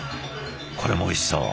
これもおいしそう。